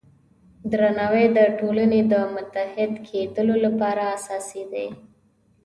درناوی د ټولنې د متحد کیدو لپاره اساسي دی.